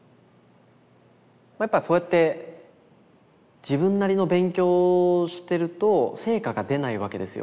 やっぱそうやって自分なりの勉強をしてると成果が出ないわけですよ。